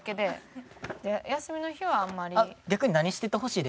休みの日はあんまり？